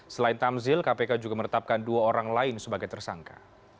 selain tamzil kpk juga menetapkan dua orang lain sebagai tersangka